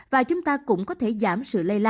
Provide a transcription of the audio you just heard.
và chúng ta cũng có thể giảm sự lây lan